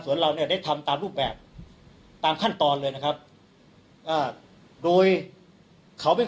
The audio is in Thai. ส่วนเราเนี่ยได้ทำตามรูปแบบตามขั้นตอนเลยนะครับอ่าโดยเขาเป็น